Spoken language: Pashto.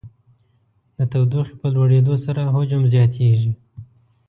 د تودوخې په لوړېدو سره حجم زیاتیږي.